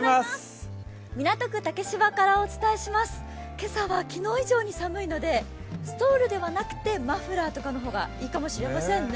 今朝は昨日以上に寒いのでストールではなくてマフラーとかの方がいいかもしれませんね。